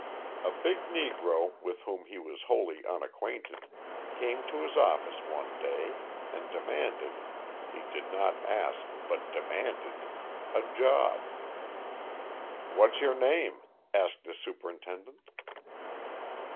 A big Negro with whom he was wholly unacquainted came to his office one day, and demanded he did not ask, but demanded a job. "What's your name?" asked the superintendent.